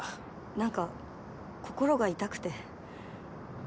なんか心が痛くて。